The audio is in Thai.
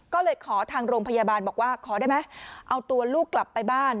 ก็เลยขอทางโรงพยาบาลบอกว่าขอได้ไหมเอาตัวลูกกลับไปบ้าน